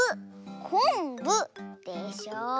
「こんぶ」でしょ。